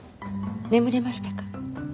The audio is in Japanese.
眠れましたか？